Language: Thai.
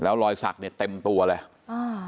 แล้วลอยศักดิ์เนี่ยเต็มตัวเลยอ่า